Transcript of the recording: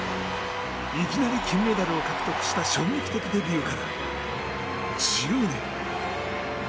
いきなり金メダルを獲得した衝撃的デビューから１０年。